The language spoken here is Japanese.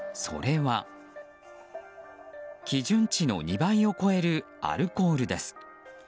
それは、基準値の２倍を超えるアルコールです。